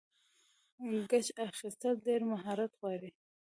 کېچ اخیستل ډېر مهارت غواړي.